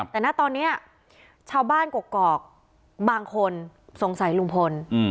แต่ณตอนนี้ชาวบ้านกกอกบางคนสงสัยลุงพล